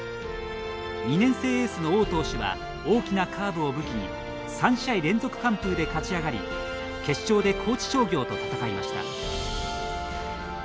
２年生エースの王投手は大きなカーブを武器に３試合連続完封で勝ち上がり決勝で高知商業と戦いました。